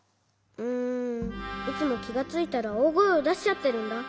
うんいつもきがついたらおおごえをだしちゃってるんだ。